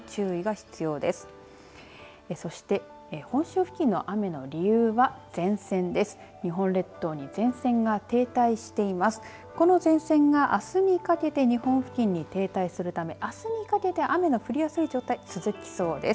この前線があすにかけて日本付近に停滞するためあすにかけて雨が降りやすい状態続きそうです。